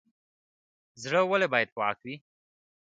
زړه ولې باید پاک وي؟